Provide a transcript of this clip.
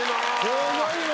すごいね！